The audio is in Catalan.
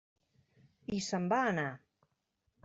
I se'n va anar.